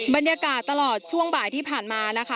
บรรยากาศตลอดช่วงบ่ายที่ผ่านมานะคะ